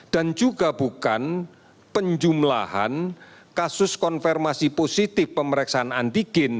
dan juga bukan penjumlahan kasus konfirmasi positif pemeriksaan antigen